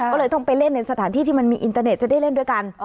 ก็เลยต้องไปเล่นในสถานที่ที่มันมีอินเตอร์เน็ตจะได้เล่นด้วยกัน